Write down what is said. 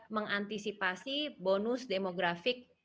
mengantisipasi bonus demografik